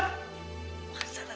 tuan salah salah